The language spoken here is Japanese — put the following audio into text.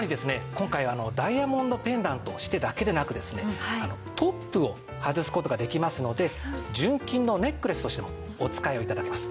今回はダイヤモンドペンダントとしてだけでなくですねトップを外す事ができますので純金のネックレスとしてもお使いを頂けます。